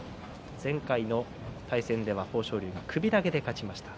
前回の対戦では豊昇龍が首投げで勝ちました。